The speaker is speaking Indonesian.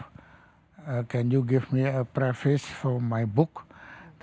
bolehkah anda memberikan saya penelitian buku saya